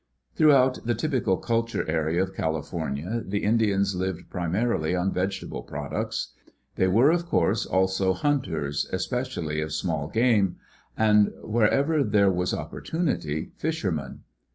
Throughout the typical culture area of California the Indians lived primarily on vegetable products. They were of course also hunters, especially of small game; and, wherever there was opportunity, fishermen.